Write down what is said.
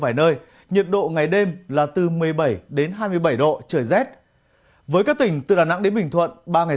trong vài nơi nhiệt độ ngày đêm là từ một mươi bảy đến hai mươi bảy độ trời rét với các tỉnh từ đà nẵng đến bình thuận ba ngày